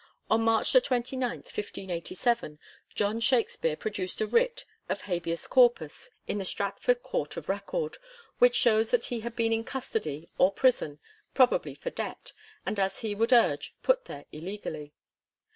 On March 29, 1587, John Shakspere pro duced a writ of hdbeaa corpus in the Stratford Court of Record, which shows that he had been in custody or prison, probably for debt, and, as he would ui'ge, put there illegally.